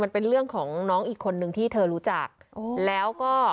มันเป็นเรื่องของน้องอีกคนนึงที่เธอรู้จักแล้วก็